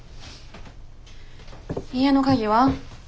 家の鍵は？